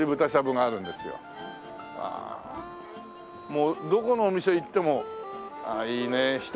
もうどこのお店行ってもあっいいね